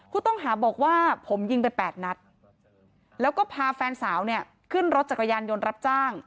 ผู้ต้องหาบอกว่าผมยิงไป๘นัดแล้วก็พาแฟนสาวเนี่ยขึ้นรถจักรยานยนต์รับจ้าง